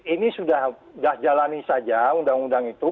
ini sudah jalani saja undang undang itu